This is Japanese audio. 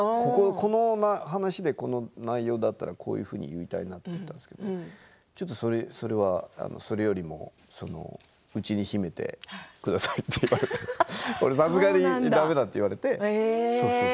この話でこの内容だったらこういうふうに言いたいなと思ったんですけどちょっとそれは。それよりも内に秘めてくださいって言われてさすがに、だめだと言われてそうそう。